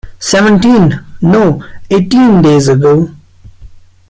Seventeen, no, eighteen days ago.